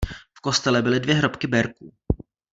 V kostele byly dvě hrobky Berků.